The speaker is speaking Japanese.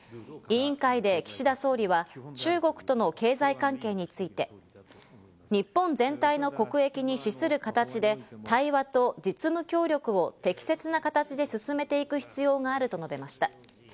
委員会で岸田総理は中国との経済関係について、日本全体の国益に資する形で対話と実務協力を適切な形で進めていく必要があると述べました。